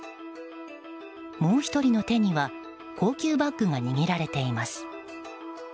もう１人の手には高級バッグが握られています。